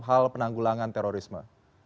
hal penanggulangan terorisme